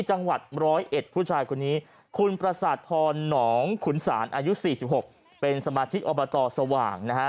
จังหวัดร้อยเอ็ดผู้ชายคนนี้คุณประสาทพรหนองขุนศาลอายุ๔๖เป็นสมาชิกอบตสว่างนะฮะ